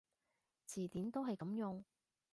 詞典都係噉用